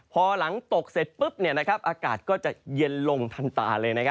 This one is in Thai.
พอหลังตกเสร็จปุ๊บอากาศก็จะเย็นลงทันตาเลย